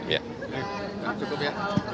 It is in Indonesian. ya cukup ya